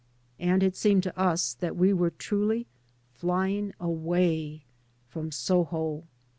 And it seemed to us that we were truly flying away — from Soho.